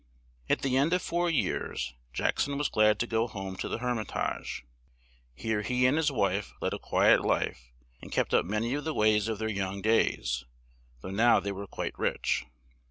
At the end of four years Jack son was glad to go home to the Her mit age; here he and his wife led a qui et life and kept up ma ny of the ways of their young days, though now they were quite rich.